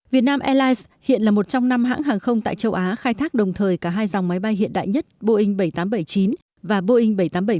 việt nam airlines hiện là một trong năm hãng hàng không tại châu á khai thác đồng thời cả hai dòng máy bay hiện đại nhất boeing bảy trăm tám mươi bảy chín và boeing bảy trăm tám mươi bảy một mươi